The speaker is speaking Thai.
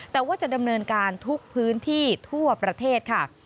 แต่ว่าจะดำเนินการทุกพื้นที่ทั่วประเทศค่ะ